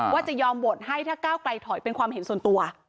ว่าจะยอมโหวตให้ถ้าก้าวไกลถอยเป็นความเห็นส่วนตัว